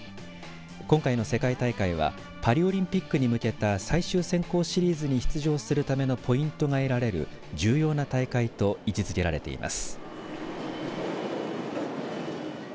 今回の世界大会はパリオリンピックに向けた最終選考シリーズに出場するためのポイントが得られる重要な大会と位置づけられています。